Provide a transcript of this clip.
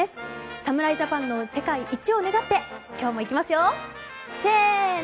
侍ジャパンの世界一を願って今日も行きますよせーの。